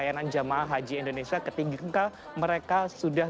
dengan sebelah j cupcake maksud itu